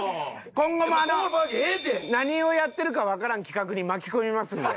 今後も何をやってるかわからん企画に巻き込みますんで。